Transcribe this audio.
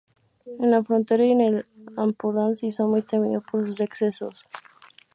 En la frontera y en el Ampurdán se hizo muy temido por sus excesos.